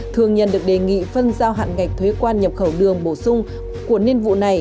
thương nhân được đề nghị phân giao hạn ngạch thuế quan nhập khẩu đường bổ sung của nhiên vụ này